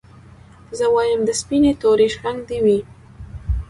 زه وايم د سپيني توري شړنګ دي وي